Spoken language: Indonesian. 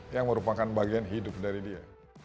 yang merupakan bagian hidup dari dia